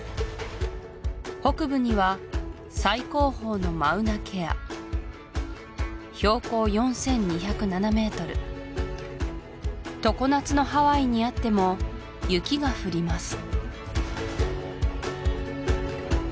北部には最高峰のマウナ・ケア標高４２０７ｍ常夏のハワイにあっても雪が降ります